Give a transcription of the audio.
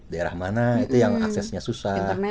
daerah mana itu yang aksesnya susah